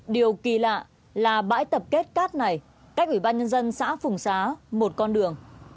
điều kỳ lạ là bãi tập kết cát này cách ủy ban nhân dân xã phùng xá một con đường